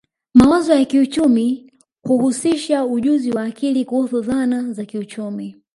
Mawazo ya kiuchumi huhusisha ujuzi wa akili kuhusu dhana za kiuchumi